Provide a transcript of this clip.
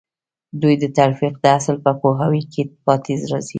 دوی د تلقين د اصل په پوهاوي کې پاتې راځي.